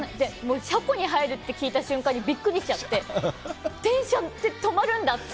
車庫に入るって聞いた瞬間にびっくりしちゃって、電車って止まるんだって。